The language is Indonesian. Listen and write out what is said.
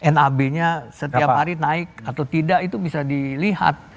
nab nya setiap hari naik atau tidak itu bisa dilihat